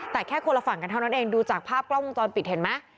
แต่แค่คนละฝั่งกันเท่านั้นเองดูจากภาพกล้องวงจรปิดเห็นไหม